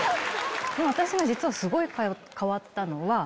私実はすごい変わったのは。